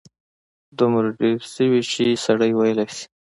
دومره ډېر شوي چې سړی ویلای شي.